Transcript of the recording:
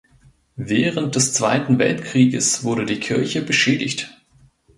Während des Zweiten Weltkrieges wurde die Kirche beschädigt.